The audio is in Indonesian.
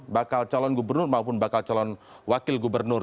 bakal calon gubernur maupun bakal calon wakil gubernur